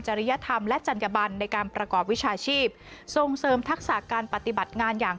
ริยธรรมและจัญญบันในการประกอบวิชาชีพส่งเสริมทักษะการปฏิบัติงานอย่าง